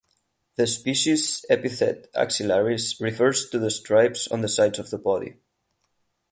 The species epithet "axillaris" refers to the stripes on the sides of the body.